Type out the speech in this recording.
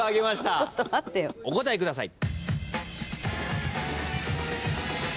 お答えください。